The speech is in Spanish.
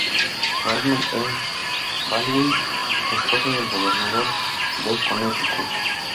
Raymond E. Baldwin, esposa del gobernador de Connecticut.